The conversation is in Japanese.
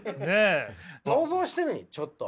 想像してみちょっと。